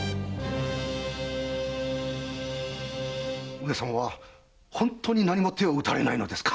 上様は本当に何も手を打たれないのですか？